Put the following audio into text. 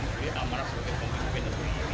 memilih amarah sebagai pemimpin